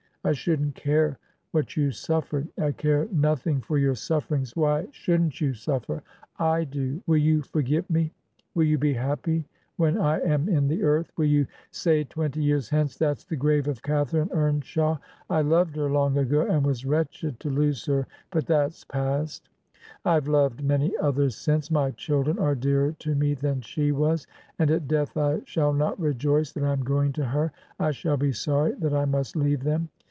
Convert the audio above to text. I shouldn't care what you sufifered. I care nothing for your sufiferings. Why shouldn't you sufifer? I dol Will you forget me? Will you be happy when I am in the earth? Will you say, twenty years hence, "That's the grave of Catharine Eamshaw. I loved her long ago, and was wretched to lose her, but that's past. I've loved many others since : my children are dearer to me than she was ; and at death I shall not rejoice that I am going to her: I shall be sorry that I must leave them."